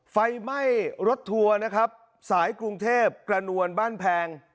ไฟไหม้รถทัวร์นะครับสายกรุงเทพกระนวลบ้านแพง